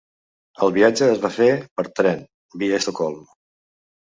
El viatge es va fer per tren, via Estocolm.